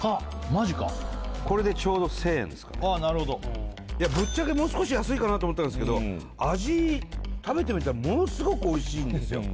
マジかこれでちょうど１０００円ですかねああなるほどぶっちゃけもう少し安いかなと思ったんですけど味食べてみたらものすごくおいしいんですよ